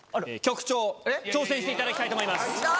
挑戦していただきたいと思います。